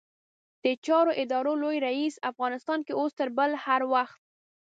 د چارو ادارې لوی رئيس؛ افغانستان کې اوس تر بل هر وخت